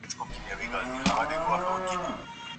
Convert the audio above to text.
ما پرون د پښتو ژبي یو تکړه ځوان ولیدی چي ډېر پوهېدی